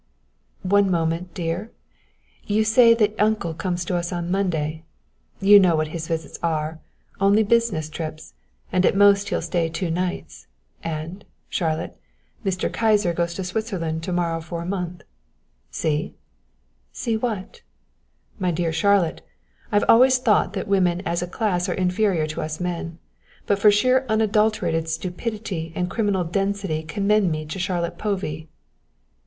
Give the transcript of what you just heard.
"One moment, dear? You say that uncle comes to us on Monday you know what his visits are, only business trips, and at the most he'll stay two nights. And, Charlotte, Mr. Kyser goes to Switzerland to morrow for a month see?" "See what?" "My dear Charlotte, I've always thought that women as a class are inferior to us men, but for sheer unadulterated stupidity and criminal density commend me to Charlotte Povey."